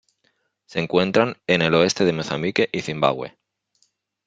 Se encuentran en el oeste de Mozambique y Zimbabue.